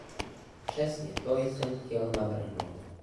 Přesně to jsem chtěl navrhnout.